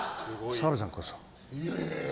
澤部さんこそ。